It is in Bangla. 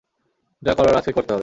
যা করার আজকেই করতে হবে।